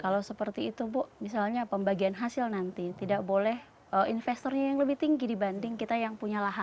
kalau seperti itu bu misalnya pembagian hasil nanti tidak boleh investornya yang lebih tinggi dibanding kita yang punya lahan